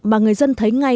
mà người dân thấy ngay